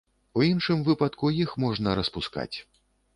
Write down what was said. У іншым выпадку іх можна распускаць.